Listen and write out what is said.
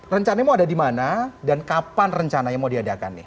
rencananya mau ada di mana dan kapan rencananya mau diadakan nih